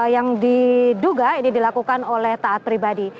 yang diduga ini dilakukan oleh taat pribadi